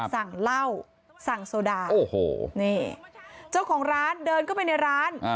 สั่งเหล้าสั่งโซดาโอ้โหนี่เจ้าของร้านเดินเข้าไปในร้าน